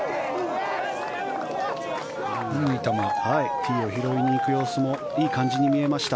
ティーを拾いに行く様子もいい感じに見えました。